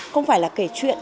không phải là kể chuyện